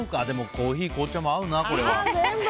でもコーヒー、紅茶も合うな。